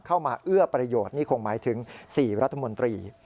เอื้อประโยชน์นี่คงหมายถึง๔รัฐมนตรี